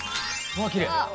わあきれい！